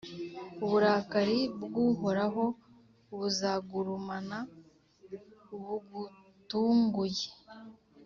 uburakari bw’Uhoraho buzagurumana bugutunguye,